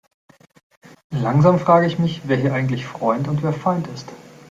Langsam frage ich mich, wer hier eigentlich Freund und wer Feind ist.